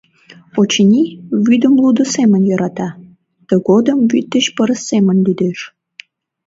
Очыни, вӱдым лудо семын йӧрата, тыгодым вӱд деч пырыс семын лӱдеш.